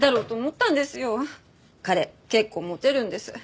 彼結構モテるんです。